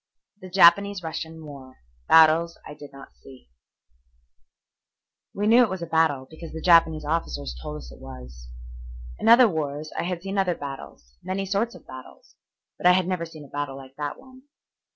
THE JAPANESE RUSSIAN WAR: BATTLES I DID NOT SEE We knew it was a battle because the Japanese officers told us it was. In other wars I had seen other battles, many sorts of battles, but I had never seen a battle like that one.